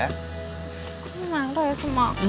kok marah ya sama aku